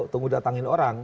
tunggu datangin orang